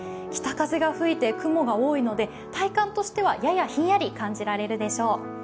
北風が吹いて雲が多いので体感としてはややひんやり感じられるでしょう。